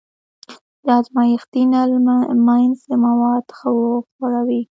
د ازمایښتي نل منځ مواد ښه وښوروئ.